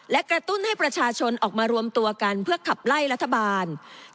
และกระตุ้นให้ประชาชนออกมารวมตัวกันเพื่อขับไล่รัฐบาล